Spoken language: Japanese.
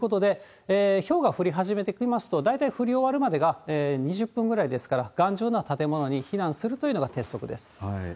ひょうが降り始めてきますと、大体降り終わるまでが２０分ぐらいですから、頑丈な建物に避難するというのが鉄則です。